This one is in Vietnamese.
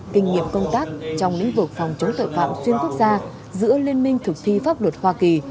kinh nghiệm công tác trong lĩnh vực phòng chống tội phạm xuyên quốc gia giữa liên minh thực thi pháp luật hoa kỳ